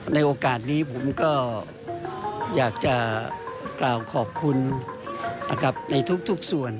ในโอกาสนี้ผมก็อยากจะกล่าวขอบคุณนะครับในทุกส่วน